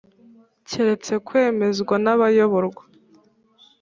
keretse kwemezwa n’abayoborwa,